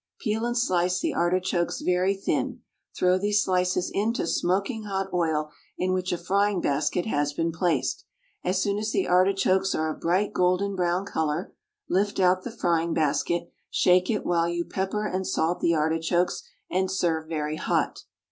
Peel and slice the artichokes very thin; throw these slices into smoking hot oil in which a frying basket has been placed. As soon as the artichokes are of bright golden brown colour, lift out the frying basket, shake it while you pepper and salt the artichokes, and serve very hot.